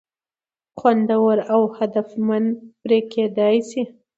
خوندور او هدفمند پر کېدى شي.